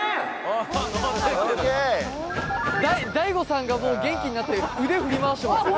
ＤＡＩＧＯさんがもう元気になって腕振り回してますよ。